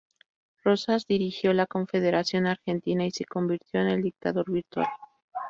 Rosas dirigió la Confederación Argentina y se convirtió en el dictador virtual.